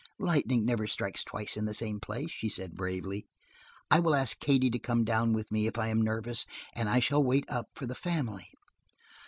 "Lightning never strikes twice in the same place," she said bravely. "I will ask Katie to come down with me if I am nervous, and I shall wait up for the family."